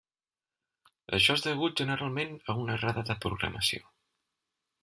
Això és degut generalment a una errada de programació.